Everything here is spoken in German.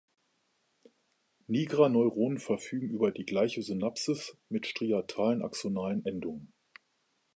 Nigra-Neuronen verfügen über diegleiche Synapsis mit striatalen axonalen Endungen.